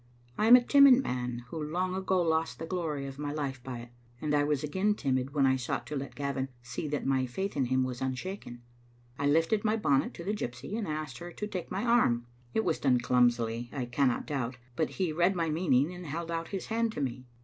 I am a timid man who long ago lost the glory of my life by it, and I was again timid when I sought to let Gavin see that my faith in him was unshaken. I lifted my bonnet to the gypsy, and asked her to take my arm. It was done clumsily, I cannot doubt, but he read my meaning and held out his hand to me.